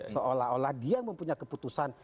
seolah olah dia yang mempunyai keputusan